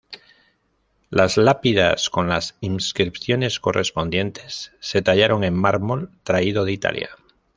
Las lápidas con las inscripciones correspondientes se tallaron en mármol traído de Italia.